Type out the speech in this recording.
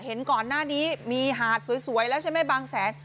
เห็นก่อนหน้านี้มีหาดสวยแล้วใช่ไหมบางแสน